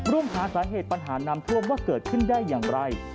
ร่วมหาสาเหตุปัญหาน้ำท่วมว่าเกิดขึ้นได้อย่างไร